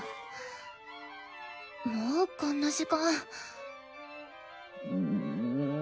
もうこんな時間。